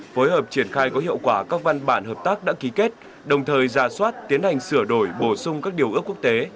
phối hợp triển khai có hiệu quả các văn bản hợp tác đã ký kết đồng thời ra soát tiến hành sửa đổi bổ sung các điều ước quốc tế